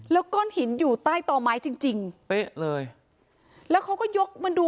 แล้วก้อนหินอยู่ใต้ต่อไม้จริงแล้วเขาก็ยกมาดู